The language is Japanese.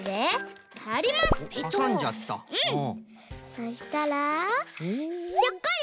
そしたらひょっこり！